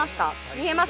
見えます？